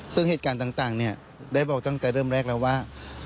ซึ่งเหตุการณ์ต่างได้บอกตั้งแต่เริ่มแรกแล้วว่า